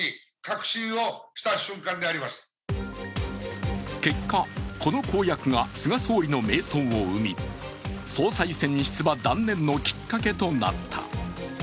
それは結果、この公約が菅総理の迷走を生み総裁選出馬断念のきっかけとなった。